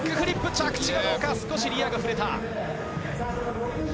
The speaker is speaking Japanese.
着地はどうか、少しリアが触れた。